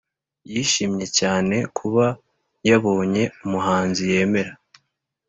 yishimye cyane kuba yabonye umuhanzi yemera